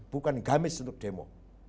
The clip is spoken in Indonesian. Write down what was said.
bukan gamis untuk demo